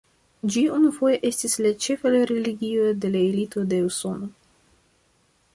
Ĝi unufoje estis la ĉefa religio de la elito de Usono.